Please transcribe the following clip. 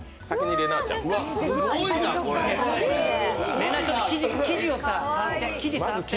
れなぁちょっと生地を触って。